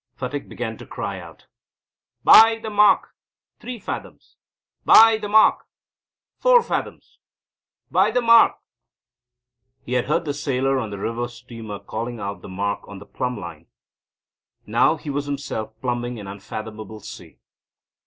Phatik began to cry out; "By the mark! three fathoms. By the mark four fathoms. By the mark ." He had heard the sailor on the river steamer calling out the mark on the plumb line. Now he was himself plumbing an unfathomable sea.